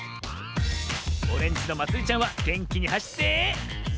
オレンジのまつりちゃんはげんきにはしって。